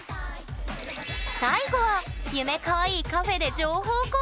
最後はゆめかわいいカフェで情報交換！